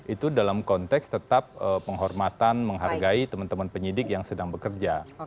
itu dalam konteks tetap penghormatan menghargai teman teman penyidik yang sedang bekerja